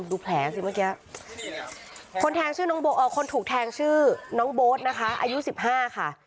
ดูแผลสิเมื่อกี้คนแทงชื่อน้องคนถูกแทงชื่อน้องโบ๊ทนะคะอายุ๑๕ค่ะ